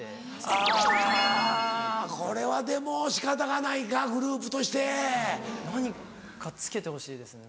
あぁこれはでも仕方がないかグループとして。何かつけてほしいですね。